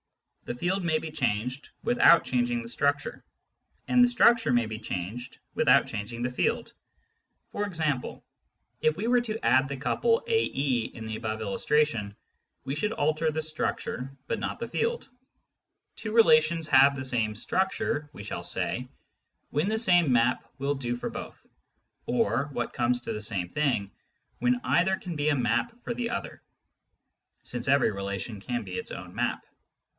The field may be changed without changing the structure, and the structure may be changed without changing the field — for Similarity of Relations 61 example, if we were to add the couple ae in the above illustration we should alter the structure but not the field. Two relations have the same " structure," we shall say, when the same map will do for both — or, what comes to the same thing, when either can be a map for the other (since every relation can be its own map).